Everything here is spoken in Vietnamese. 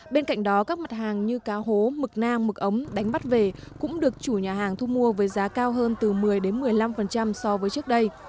bên cạnh đó các mặt hàng như cá hố mực nang mực ống đánh bắt về cũng được chủ nhà hàng thu mua với giá cao hơn từ một mươi một mươi năm so với trước đây